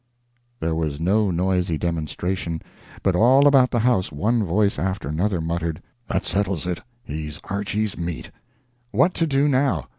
There was no noisy demonstration, but all about the house one voice after another muttered, "That settles it! He's Archy's meat." What to do now?